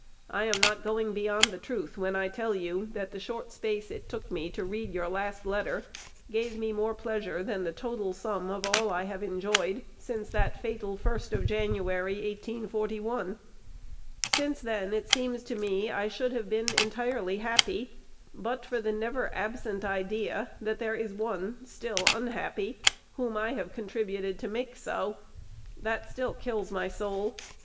I am not going beyond the truth when I tell you, that the short space it took me to read your last letter gave me more pleasure than the total sum of all I have enjoyed since that fatal 1st of January, 1841. Since then it seems to me I should have been entirely happy, but for the never absent idea that there is one still unhappy whom I have contributed to make so. That still kills my soul.